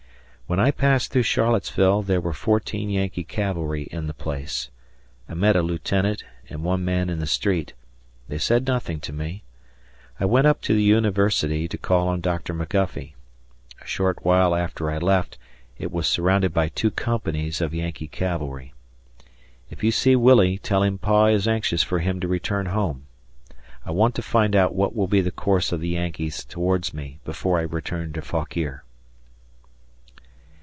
When I passed through Charlottesville there were fourteen Yankee cavalry in the place. I met a lieutenant and one man in the street. They said nothing to me. I went up to the University to call on Dr. McGuffey. A short while after I left, it was surrounded by two companies of Yankee cavalry. If you see Willie tell him Pa is anxious for him to return home. I want to find out what will be the course of the Yankees towards me before I return to Fauquier.